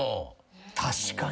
確かに。